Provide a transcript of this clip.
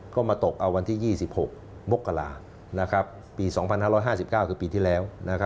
ก็มาตกเอาวันที่๒๖มกราปี๒๕๕๙คือปีที่แล้ว